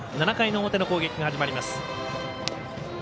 ７回の表の攻撃が始まります。